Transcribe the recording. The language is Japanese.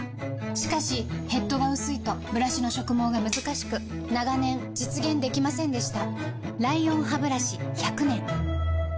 しかしヘッドが薄いとブラシの植毛がむずかしく長年実現できませんでした